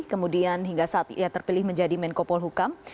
kemudian hingga saat ia terpilih menjadi menkopol hukam